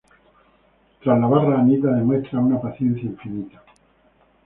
Tras la barra, Anita demuestra una paciencia infinita.